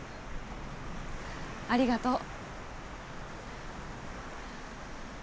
ありがとう。